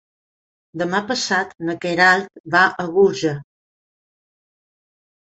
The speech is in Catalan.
Demà passat na Queralt va a Búger.